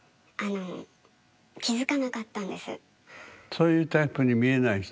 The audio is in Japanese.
そういうタイプに見えない人？